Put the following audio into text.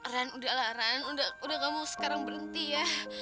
rani udahlah rani udah kamu sekarang berhenti ya